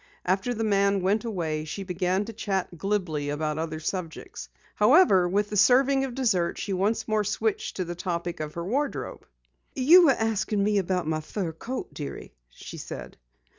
After the man went away she began to chat glibly about other subjects. However, with the serving of dessert, she once more switched to the topic of her wardrobe. "You were asking me about my fur coat, dearie," she said.